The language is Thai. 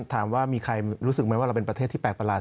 ถามว่ามีใครรู้สึกไหมว่าเราเป็นประเทศที่แปลกประหลาด